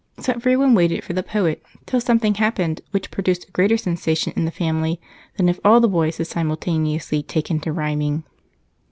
So everyone waited for the poet, till something happened which produced a greater sensation in the family than if all the boys had simultaneously taken to rhyming.